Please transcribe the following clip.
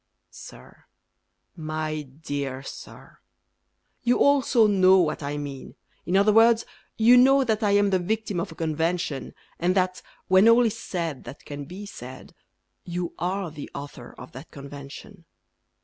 Sir, My dear Sir, You also know what I mean; In other words, you know That I am the victim of a convention, And that, when all is said that can be said, You are the author of that convention.